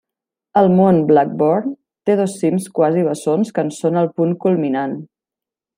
El mont Blackburn té dos cims quasi bessons que en són el punt culminant.